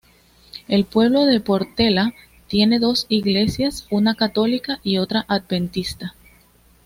El pueblo de Portela tiene dos iglesias, una católica y otra adventista.